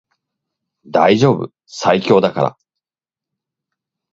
大丈夫最強だから